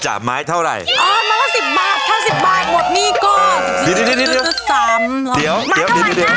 จากไม้เท่าไหร่อ๋อมันก็สิบบาทแค่สิบบาทหมดนี่ก็สามเดี๋ยว